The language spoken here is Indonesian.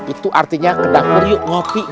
itu artinya kedang meriuk ngopi